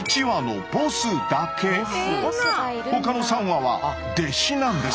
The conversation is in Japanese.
他の３羽は弟子なんです。